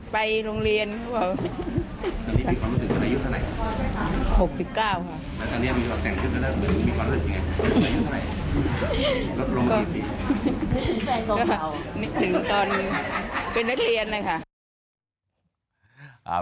เป็นนักเรียนนะคะ